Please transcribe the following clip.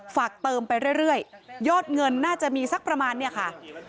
ฝากเติมไปเรื่อยยอดเงินน่าจะมีสักประมาณเนี่ยค่ะ